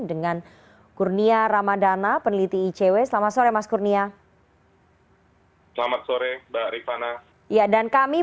dengan kurnia ramadana peneliti icw selamat sore mas kurnia